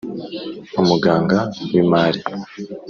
umugaga w'imali;